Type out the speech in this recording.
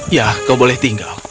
ya kau boleh tinggal